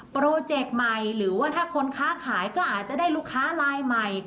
โปรเจกต์ใหม่หรือว่าถ้าคนค้าขายก็อาจจะได้ลูกค้าลายใหม่